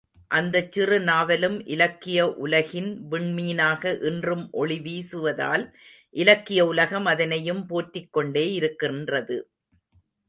அந்தச் சிறு நாவலும் இலக்கிய உலகின் விண்மீனாக இன்றும் ஒளிவீசுவதால், இலக்கிய உலகம் அதனையும் போற்றிக் கொண்டே இருக்கின்றது.